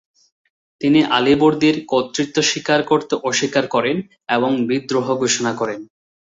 তিনি আলীবর্দীর কর্তৃত্ব স্বীকার করতে অস্বীকার করেন এবং বিদ্রোহ ঘোষণা করেন।